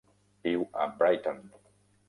Viu a Brighton.